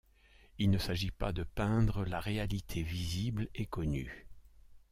Il ne s'agit pas de peindre la réalité visible et connue.